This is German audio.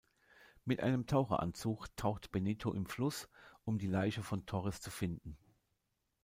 Mit einem Taucheranzug taucht Benito im Fluss, um die Leiche von Torres zu finden.